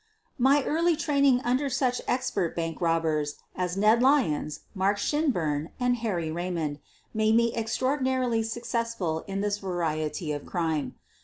My early training under such expert bank robbers as Ned Lyons, Mark Shinburn, and Harry Raymond made me extraordinarily successful in this variety of crime.